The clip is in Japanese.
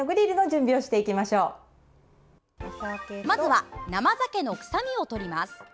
まずは生ざけの臭みをとります。